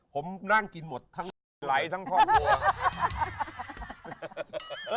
ผมนั่งกินหมดทั้งทั้งพ่อครัว